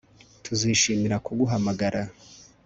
Tuzishimira kuguhamagara